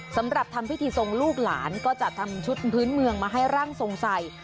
สำหรับทำพิธีทรงลูกหลานก็จะทำชุดพื้นเมืองมาให้ร่างทรงใส่